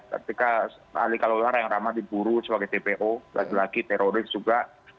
ketika ali kalora yang ramah diburu sebagai tpu lagi lagi teroris juga